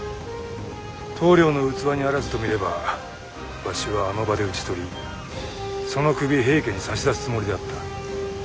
棟梁の器にあらずと見ればわしはあの場で討ち取りその首平家に差し出すつもりであった。